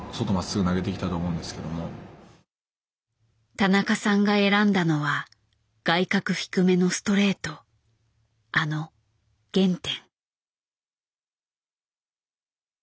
田中さんが選んだのは外角低めのストレートあの原点。